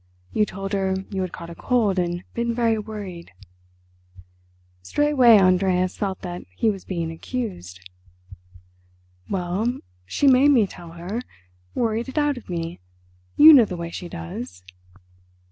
You told her you had caught a cold and been very worried." Straightway Andreas felt that he was being accused. "Well, she made me tell her, worried it out of me; you know the way she does."